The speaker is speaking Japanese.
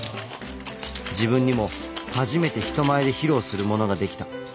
自分にも初めて人前で披露するものができた。